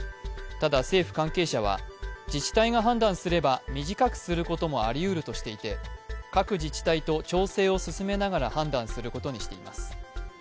ただ、政府関係者は自治体が判断すれば短くすることもありうるとしていて、各自治体と調整を進めながら判断することにしています。